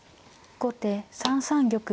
後手３三玉。